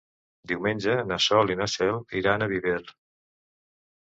Diumenge na Sol i na Cel iran a Viver.